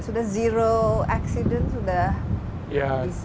sudah zero accident sudah bisa